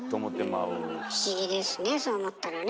不思議ですねそう思ったらね。